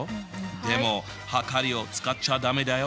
でもはかりを使っちゃ駄目だよ。